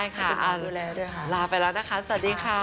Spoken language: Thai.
ด้วยค่ะเราลาไปแล้วนะคะสวัสดีค่ะ